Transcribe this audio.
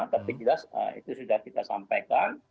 tapi jelas itu sudah kita sampaikan